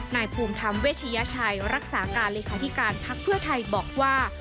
นายภูมิธรรมเวชยชัยรักษาการเลขาธิการพักเพื่อไทยบอกว่า